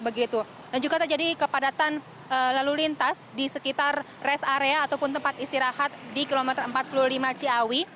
begitu dan juga terjadi kepadatan lalu lintas di sekitar rest area ataupun tempat istirahat di kilometer empat puluh lima ciawi